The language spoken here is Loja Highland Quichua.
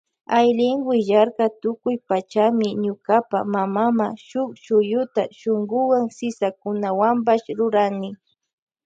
Aylin willarka tukuy pachami ñukapa mamama shuk shuyuta shunkuwan sisakunawanpash rurani.